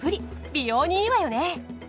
美容にいいわよね。